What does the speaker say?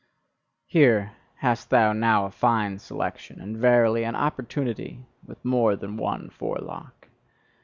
Here hast thou now a fine selection, and verily, an opportunity with more than one forelock!